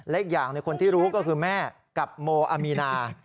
อีกอย่างคนที่รู้ก็คือแม่กับโมอามีนา